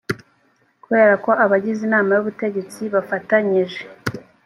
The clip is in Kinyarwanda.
kubera ko abagize inama y ubutegetsi bafatanyije